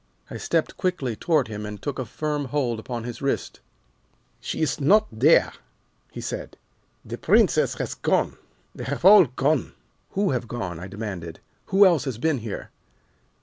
I stepped quickly toward him and took a firm hold upon his wrist. "'She is not there,' he said. 'The Princess has gone. They have all gone.' "'Who have gone?' I demanded. 'Who else has been here?